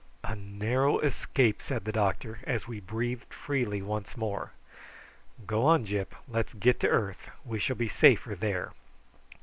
"A narrow escape!" said the doctor, as we breathed freely once more. "Go on, Gyp. Let's get to earth; we shall be safer there."